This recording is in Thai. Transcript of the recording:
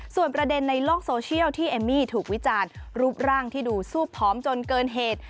ส่วนประเด็นในโลกโซเชียลที่เอมมี่ถูกวิจารณ์รูปร่างที่ดูซูบผอมจนเกินเหตุ